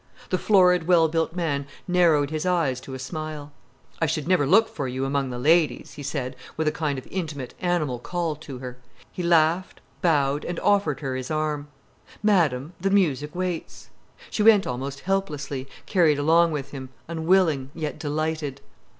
The florid, well built man narrowed his eyes to a smile. "I should never look for you among the ladies," he said, with a kind of intimate, animal call to her. He laughed, bowed, and offered her his arm. "Madam, the music waits." She went almost helplessly, carried along with him, unwilling, yet delighted.